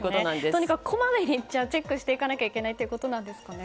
とにかくこまめにチェックしなきゃいけないということなんですかね。